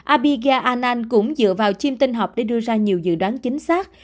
abiga anan cũng dựa vào chim tinh họp để đưa ra nhiều dự đoán chính xác